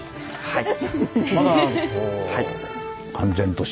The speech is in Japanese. はい。